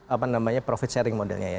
apa namanya profit sharing modelnya ya